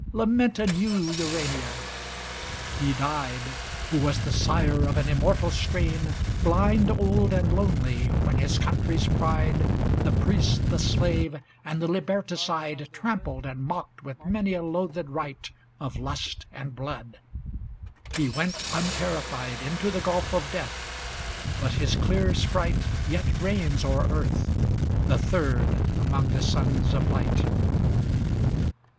Lament anew, Urania ! ŌĆö He died, Who was the sire of an immortal strain. Blind, old, and lonely, when his country's pride The priest, the slave, and the liberticide Trampled and mocked with many a loathed rite Of lust and blood; he went, unterrified. Into the gulf of death; but his clear Sprite Yet reigns o'er earth, the third among the sons of light.